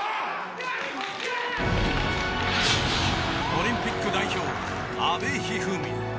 オリンピック代表阿部一二三。